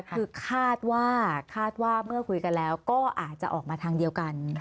คือคาดว่าคาดว่าเมื่อคุยกันแล้วก็อาจจะออกมาทางเดียวกัน